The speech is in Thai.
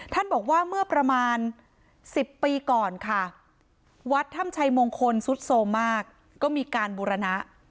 ท่านบอกว่าเมื่อประมาณ๑๐ปีก่อนค่ะวัดถ้ำชัยมงคลสุดโสมมากก็มีการบูรณะ